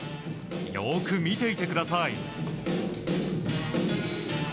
よく見ていてください。